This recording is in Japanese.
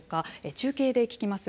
中継で聞きます。